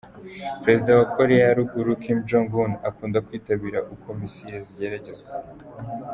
Perezida wa Koreya ya Ruguru, Kim Jong-Un, akunda kwitabira uko missile zigeragezwa